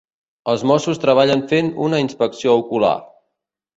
Els mossos treballen fent una inspecció ocular.